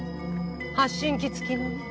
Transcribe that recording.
発信器付きのね。